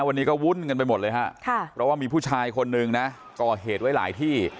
วันนี้ก็วุ่นกันไปหมดเลยฮะเพราะว่ามีผู้ชายคนนึงนะก่อเหตุไว้หลายที่